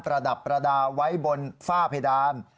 ระดับประดาษไว้บนฝ้าเพดาน